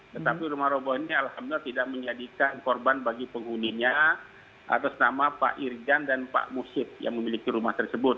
tetapi rumah roboh ini alhamdulillah tidak menjadikan korban bagi penghuninya atas nama pak irjan dan pak musyid yang memiliki rumah tersebut